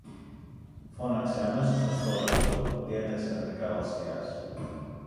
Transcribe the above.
Φώναξε αμέσως το στόλαρχο, διέταξε νευρικά ο Βασιλιάς.